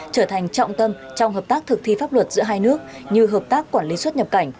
trở thành trọng tâm trong hợp tác thực thi pháp luật giữa hai nước như hợp tác quản lý xuất nhập cảnh